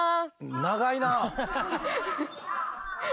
長いな。